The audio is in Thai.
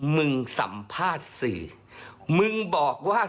มึงสัมภาษณ์สื่อมึงบอกว่า